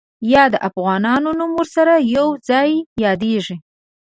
یا د افغانانو نوم ورسره یو ځای یادېږي.